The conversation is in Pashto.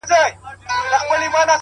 علم د انسان دننه ځواک راویښوي!